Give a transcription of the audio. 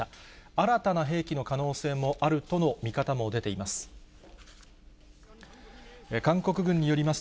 新たな兵器の可能性もあるとの見方も出ています。